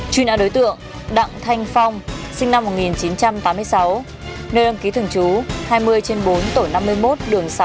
truy nã đối tượng đặng thanh phong sinh năm một nghìn chín trăm tám mươi sáu nơi đăng ký thường trú hai mươi trên bốn tổ năm mươi một đường sáu